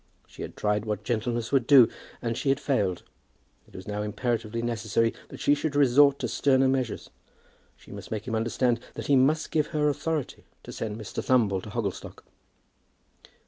She had tried what gentleness would do, and she had failed. It was now imperatively necessary that she should resort to sterner measures. She must make him understand that he must give her authority to send Mr. Thumble to Hogglestock.